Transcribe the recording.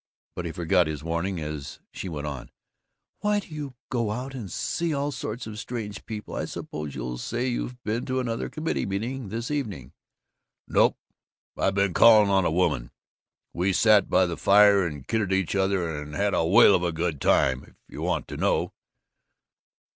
But he forgot his warning as she went on: "Why do you go out and see all sorts of strange people? I suppose you'll say you've been to another committee meeting this evening!" "Nope. I've been calling on a woman. We sat by the fire and kidded each other and had a whale of a good time, if you want to know!"